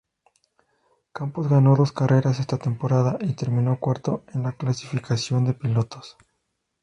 Campos ganó dos carreras esta temporada y terminó cuarto en la clasificación de pilotos.